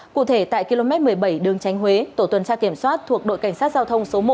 cụ thể tại km một mươi bảy đường tránh huế tổ tuần tra kiểm soát thuộc đội cảnh sát giao thông số một